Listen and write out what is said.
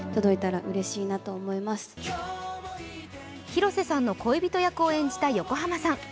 広瀬さんの恋人役を演じた横浜さん。